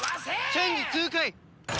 チェンジ痛快！